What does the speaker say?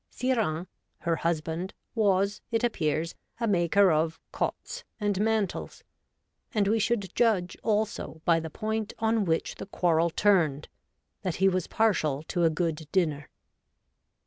' Sire Hains,' her husband, was, it appears, a maker of ' cottes ' and mantles, and we should judge, also, by the point on which the quarrel turned, that he was partial to a good dinner.